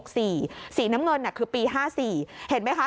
สีน้ำเงินคือปี๕๔เห็นไหมคะ